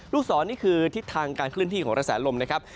ลูกศรนี่คือทิศทางการเคลื่อนที่ของกระแสลมนะครับ